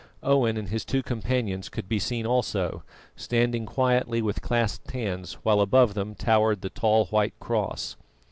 Owen and his two companions could be seen also, standing quietly with clasped hands, while above them towered the tall white cross.